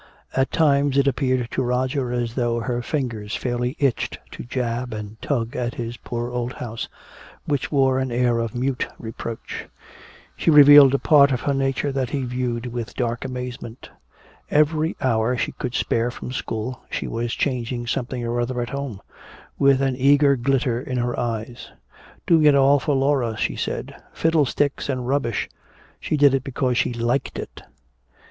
At times it appeared to Roger as though her fingers fairly itched to jab and tug at his poor old house, which wore an air of mute reproach. She revealed a part of her nature that he viewed with dark amazement. Every hour she could spare from school, she was changing something or other at home with an eager glitter in her eyes. Doing it all for Laura, she said. Fiddlesticks and rubbish! She did it because she liked it!